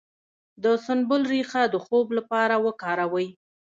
د سنبل ریښه د خوب لپاره وکاروئ